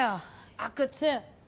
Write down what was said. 阿久津！